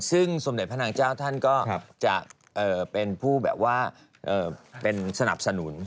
ซึ่งสมเด็จพระนางเจ้าท่านก็จะเป็นผู้สนับสนุน